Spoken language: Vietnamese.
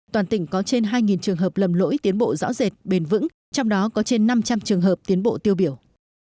toàn tỉnh có trên hai trường hợp lầm lỗi tiến bộ rõ rệt bền vững trong đó có trên năm trăm linh trường hợp tiến bộ tiêu biểu